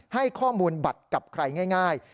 ให้ข้อมูลบัตรกับใครง่าย